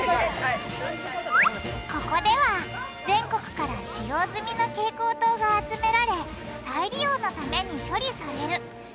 ここでは全国から使用済みの蛍光灯が集められ再利用のために処理される。